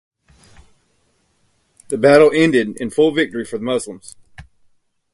The battle ended in full victory for the Muslims.